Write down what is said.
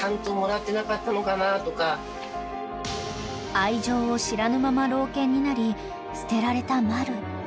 ［愛情を知らぬまま老犬になり捨てられたマル］